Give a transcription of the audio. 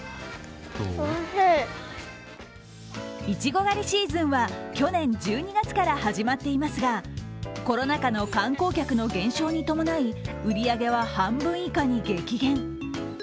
いちご狩りシーズンは去年１２月から始まっていますがコロナ禍の観光客の減少に伴い、売り上げは半分以下に激減。